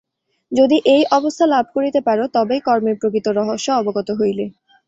যদি এই অবস্থা লাভ করিতে পার, তবেই কর্মের প্রকৃত রহস্য অবগত হইলে।